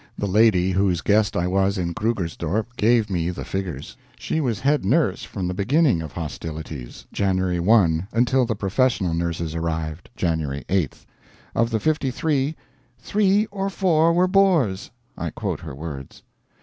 The lady whose guest I was in Krugersdorp gave me the figures. She was head nurse from the beginning of hostilities (Jan. 1) until the professional nurses arrived, Jan. 8th. Of the 53, "Three or four were Boers"; I quote her words.